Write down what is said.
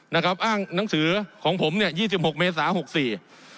นะครับอ้างหนังสือของผมเนี่ยยี่สิบหกเมษาหกสี่